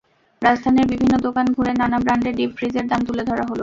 রাজধানীর বিভিন্ন দোকান ঘুরে নানা ব্র্যান্ডের ডিপ ফ্রিজের দাম তুলে ধরা হলো।